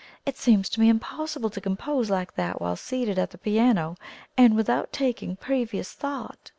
"It seems to me impossible to compose like that while seated at the piano, and without taking previous thought!"